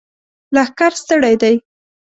لښکر ستړی دی!